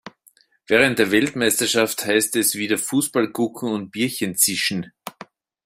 Während der Weltmeisterschaft heißt es wieder Fußball gucken und Bierchen zischen.